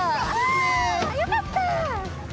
あよかった！